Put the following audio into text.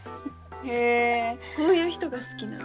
へぇこういう人が好きなんだ。